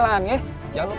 jangan sampai ada yang takziah